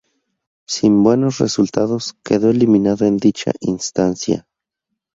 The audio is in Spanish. Sin buenos resultados, quedó eliminado en dicha instancia.